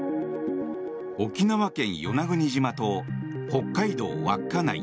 沖縄県・与那国島と北海道稚内